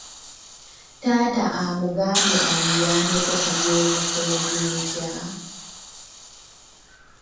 Taata amugambye amuyambeko ku by'omukolo gw'enkya.